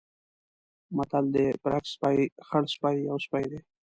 متل دی: برګ سپی، خړسپی یو سپی دی.